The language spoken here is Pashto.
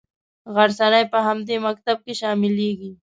غرڅنۍ په همدې مکتب کې شاملیږي.